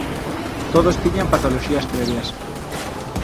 Todos tiñan patoloxías previas.